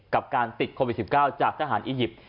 กับการติดโควิด๑๙จากทหารอียิปต์